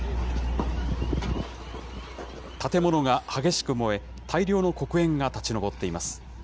建物が激しく燃え、大量の黒煙が立ち上っています。